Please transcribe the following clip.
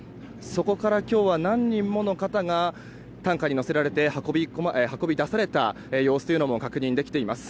そこから今日は何人もの方が担架に乗せられて運び出された様子も確認できています。